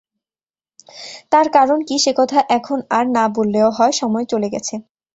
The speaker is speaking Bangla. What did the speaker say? তার কারণ কী সে-কথা এখন আর না বললেও হয়, সময় চলে গেছে।